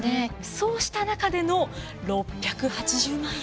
そうした中での６８０万円。